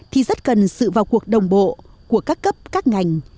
thì rất cần sự vào cuộc đồng bộ của các cấp các ngành